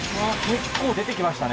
結構出てきましたね